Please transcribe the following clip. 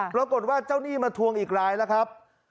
ปรากฏว่าเจ้าหนี้มาทวงอีกรายแล้วครับ